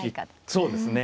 そうですね。